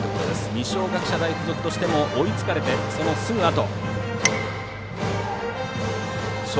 二松学舎大付属としても追いつかれて、そのすぐあと。